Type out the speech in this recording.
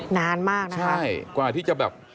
นานมากนะคะใช่กว่าที่จะแบบ